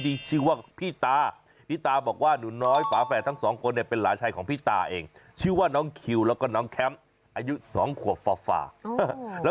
ในช่วงเวลานอนกลางวัน